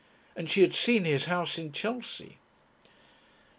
And she had seen his house in Chelsea.